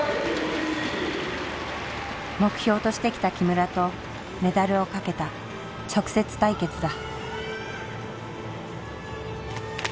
目標としてきた木村とメダルをかけた直接対決だ。